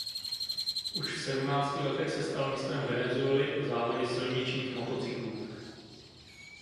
Už v sedmnácti letech se stal mistrem Venezuely v závodě silničních motocyklů.